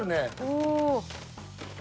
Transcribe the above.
おお。